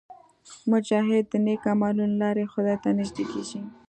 مجاهد د نیک عملونو له لارې خدای ته نږدې کېږي.